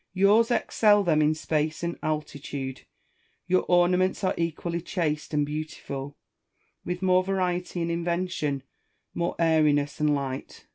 Yours excel them in space and altitude ; your ornaments are equally chaste and beautiful, with more variety and invention, more airiness and light.